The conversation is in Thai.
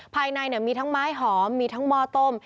ภายในเนี่ยมีทั้งม้ายหอมมีทั้งหม้อต้ม